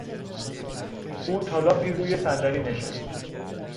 او تالاپی روی صندلی نشست.